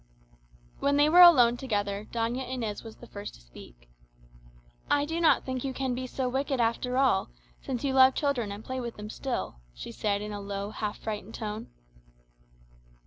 When they were alone together, Doña Inez was the first to speak. "I do not think you can be so wicked after all; since you love children, and play with them still," she said in a low, half frightened tone.